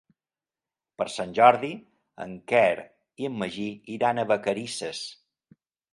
Per Sant Jordi en Quer i en Magí iran a Vacarisses.